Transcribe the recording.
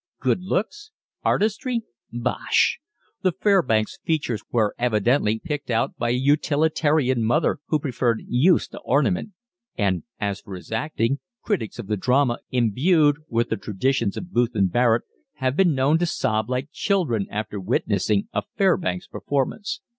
Good looks? Artistry? Bosh! The Fairbanks features were evidently picked out by a utilitarian mother who preferred use to ornament; and as for his acting, critics of the drama, imbued with the traditions of Booth and Barrett, have been known to sob like children after witnessing a Fairbanks performance.